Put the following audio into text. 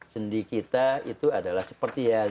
sendi kita itu adalah seperti